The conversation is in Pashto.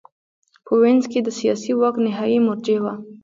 په وینز کې د سیاسي واک نهايي مرجع وه